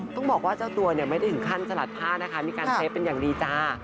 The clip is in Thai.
ต้องบอกว่าเจ้าตัวเนี่ยไม่ได้ถึงขั้นสลัดผ้านะคะมีการเซฟเป็นอย่างดีจ้า